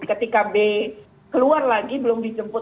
ketika b keluar lagi belum dijemput